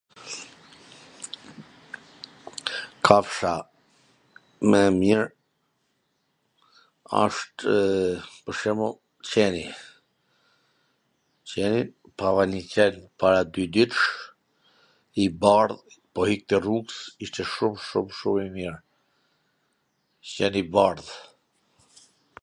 Kafsha ma e mir ashtw pwr shembull qeni, qeni, pava njw qen para dy ditsh, i bardh, po ikte rrugws, ishte shum shum shum i mir, qen i bardh.